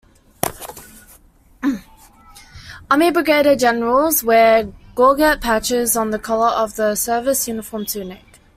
Army brigadier-generals wear gorget patches on the collar of the service uniform tunic.